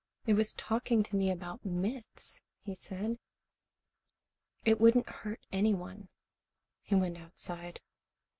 "It was talking to me about myths," he said. "It wouldn't hurt anyone." He went outside.